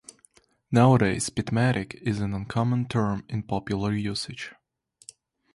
Nowadays "pitmatic" is an uncommon term in popular usage.